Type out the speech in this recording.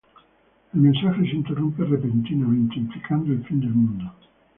El mensaje se interrumpe repentinamente, implicando el fin del mundo.